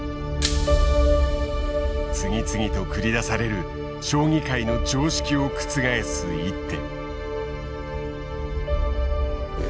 次々と繰り出される将棋界の常識を覆す一手。